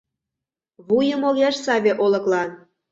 Вуйым огеш саве олыклан.